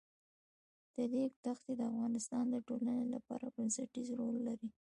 د ریګ دښتې د افغانستان د ټولنې لپاره بنسټيز رول لري.